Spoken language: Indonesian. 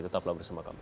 tetap lagi bersama kami